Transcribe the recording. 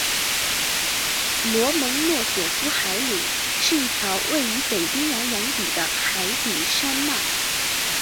罗蒙诺索夫海岭是一条位于北冰洋洋底的海底山脉。